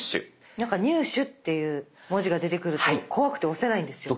なんか入手っていう文字が出てくると怖くて押せないんですよ。